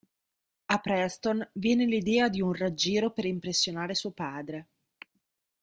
A Preston viene l'idea di un raggiro per impressionare suo padre.